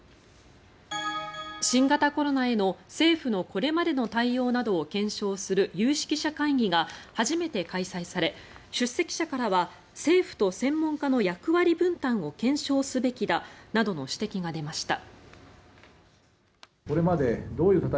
新型コロナへの政府のこれまでの対応などを検証する有識者会議が初めて開催され出席者からは政府と専門家の役割分担を検証すべきだなどの指摘が出ました。